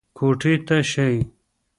کوټې ته شئ.